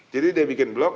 jadi dia bikin blog